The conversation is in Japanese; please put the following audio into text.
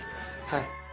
はい。